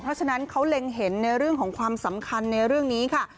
เพราะฉะนั้นเขาเล็งเห็นในเรื่องของความสำคัญในเรื่องนี้ค่ะ